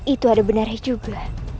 itu ada benar juga